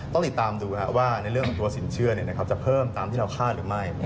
ต้องติดตามดูว่าในเรื่องของตัวสินเชื่อจะเพิ่มตามที่เราคาดหรือไม่